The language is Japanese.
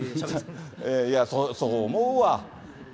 いや、そう思うわ。